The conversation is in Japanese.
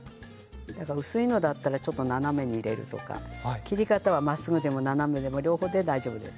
薄いものだったら斜めに入れるとか切り方は、まっすぐでも斜めでもどちらでも大丈夫です。